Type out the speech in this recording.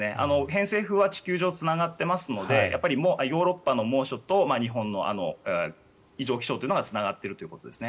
偏西風は地球上、つながっていますのでヨーロッパの猛暑と日本の異常気象がつながっているということです。